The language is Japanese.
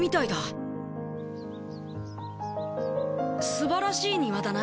すばらしい庭だな。